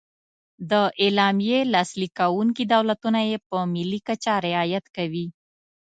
د اعلامیې لاسلیک کوونکي دولتونه یې په ملي کچه رعایت کوي.